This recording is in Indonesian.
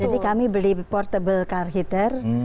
jadi kami beli portable car heater